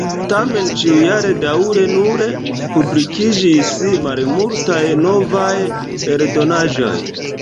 Tamen ĉiujare daŭre nur publikiĝis malmultaj novaj eldonaĵoj.